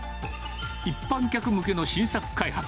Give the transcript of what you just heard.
一般客向けの新作開発。